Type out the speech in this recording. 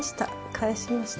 返しました。